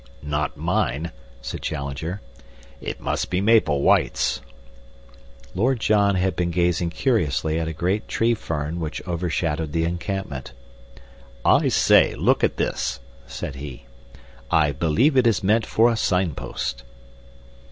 "Not mine," said Challenger. "It must be Maple White's." Lord John had been gazing curiously at a great tree fern which overshadowed the encampment. "I say, look at this," said he. "I believe it is meant for a sign post."